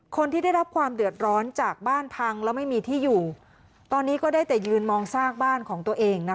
คนที่ได้รับความเดือดร้อนจากบ้านพังแล้วไม่มีที่อยู่ตอนนี้ก็ได้แต่ยืนมองซากบ้านของตัวเองนะคะ